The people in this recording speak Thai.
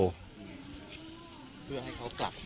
เพื่อให้เขากลับ